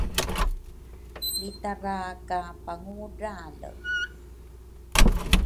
Lritara ka Pangudrale